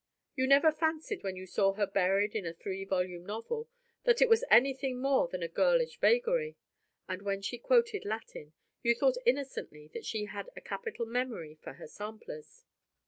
You never fancied, when you saw her buried in a three volume novel, that it was anything more than a girlish vagary; and when she quoted Latin, you thought innocently that she had a capital memory for her samplers.